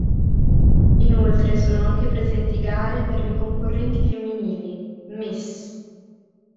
Inoltre, sono anche presenti gare per le concorrenti femminili: "Ms.